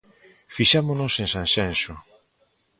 Fixámonos en Sanxenxo.